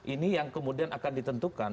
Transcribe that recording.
ini yang kemudian akan ditentukan